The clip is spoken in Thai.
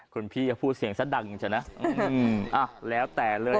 คุณพี่อย่าพูดเสียงซะดังจนนะอืมอ่าแล้วแต่เลยนะ